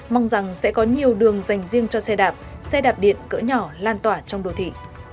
mong rằng sẽ có nhiều đường dành riêng cho xe đạp xe đạp điện cỡ nhỏ lan tỏa trong đô thị